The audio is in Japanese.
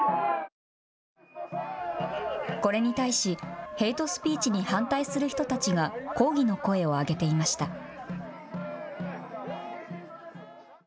これに対しヘイトスピーチに反対する人たちが抗議の声を上げていました。